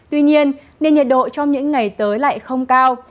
tuy nhiên nền nhiệt độ trong những ngày tới lại không cao